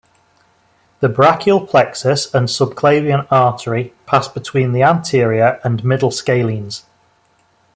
The brachial plexus and subclavian artery pass between the anterior and middle scalenes.